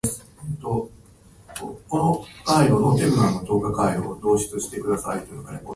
私は田舎で生まれ育ち、小・中・高は学校が山の上にあった。このことや田舎での生活を東京でできた友達に話すと、彼らは目を輝かせながら聞いてくれる。